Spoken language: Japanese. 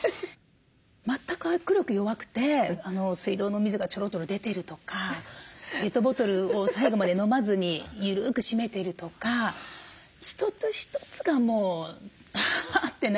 全く握力弱くて水道の水がちょろちょろ出てるとかペットボトルを最後まで飲まずに緩くしめてるとか一つ一つがもうあってなりますね。